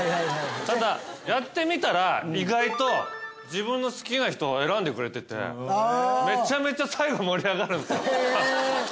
ただやってみたら意外と自分の好きな人選んでくれててめちゃめちゃ最後盛り上がるんですよ。